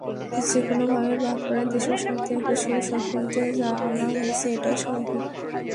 যেকোনোভাবে বাদ পড়ায় দেশের স্বার্থে এটা ষোড়শ সংশোধনীতে আনা হয়েছে, এটাই স্বাভাবিক।